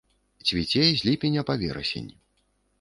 Цвіце з ліпеня па верасень.